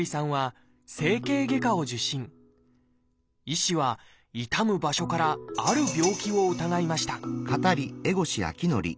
医師は痛む場所からある病気を疑いました